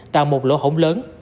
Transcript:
tạo một lỗ hổng lớn